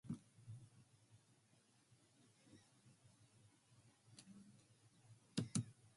Copenhagen on loan from Veikkausliiga side Ilves.